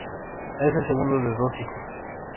Es el segundo de dos hijos.